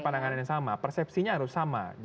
pandangan yang sama persepsinya harus sama